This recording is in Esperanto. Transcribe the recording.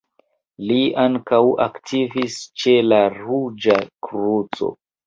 Li ankaŭ aktivis ĉe la Ruĝa Kruco.